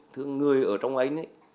thương người ở trong anh ấy